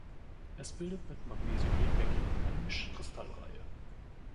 Es bildet mit Magnesioriebeckit eine Mischkristallreihe.